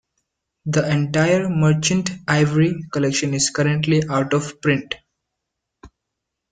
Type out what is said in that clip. The entire Merchant Ivory Collection is currently out of print.